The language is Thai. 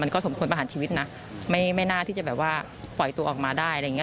ก็สมควรประหารชีวิตนะไม่น่าที่จะแบบว่าปล่อยตัวออกมาได้อะไรอย่างนี้